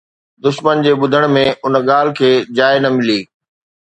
دشمن جي ٻڌڻ ۾ ان ڳالهه کي جاءِ نه ملي